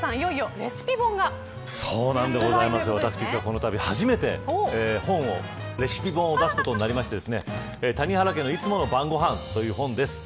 そして谷原さん私、このたび初めて本をレシピ本を出すことになりまして谷原家のいつもの晩ごはんという本です。